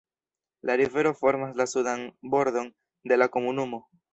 La rivero formas la sudan bordon de la komunumo.